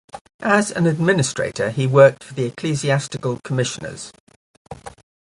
As an administrator he worked for the Ecclesiastical Commissioners.